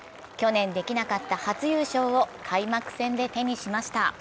去年できなかった初優勝を開幕戦で手にしました。